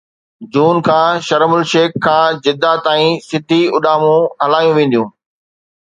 جون کان Sharm el Sheikh کان جده تائين سڌي اڏامون هلايون وينديون